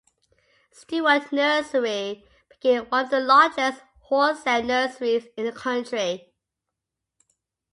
Stuart Nursery became one of the largest wholesale nurseries in the country.